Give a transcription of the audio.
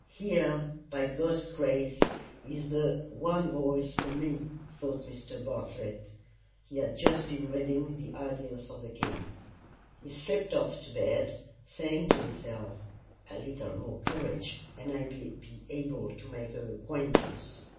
"Here, by God's grace, is the one voice for me," thought Mr. Bartlett. [He had just been reading the "Idyls of the King."] He slipped off to bed, saying to himself: "A little more courage, and I may be able to make her acquaintance."